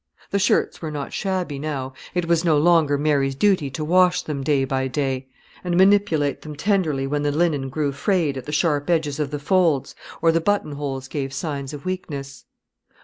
The shirts were not shabby now; and it was no longer Mary's duty to watch them day by day, and manipulate them tenderly when the linen grew frayed at the sharp edges of the folds, or the buttonholes gave signs of weakness.